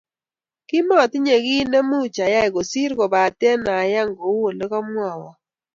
Kimatinye kit ne much ayai kosir kopate ayan kou olekomwa